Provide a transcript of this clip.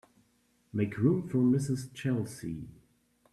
Make room for Mrs. Chelsea.